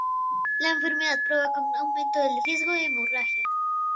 La enfermedad provoca un aumento del riesgo de hemorragia.